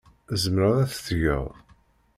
Tzemreḍ ad t-tgeḍ.